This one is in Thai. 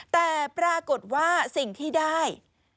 แต่ปรากฏว่าสิ่งที่ได้